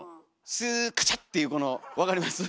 スーカチャッていうこの分かります？